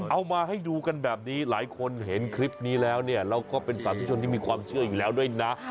เอามาให้ดูกันแบบนี้หลายคนเห็นคลิปนี้แล้วเนี่ยเราก็เป็นสาธุชนที่มีความเชื่ออยู่แล้วด้วยนะ